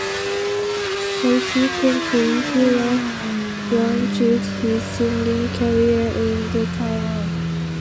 Subsequently, he launched his singing career in the Taiwan.